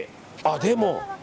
でも。